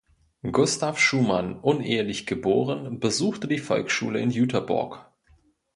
Gustav Schumann, unehelich geboren, besuchte die Volksschule in Jüterbog.